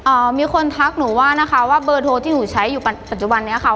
อ่ามีคนทักหนูว่านะคะว่าเบอร์โทรที่หนูใช้อยู่ปัจจุบันเนี้ยค่ะ